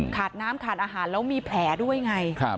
ขาดน้ำขาดอาหารแล้วมีแผลด้วยไง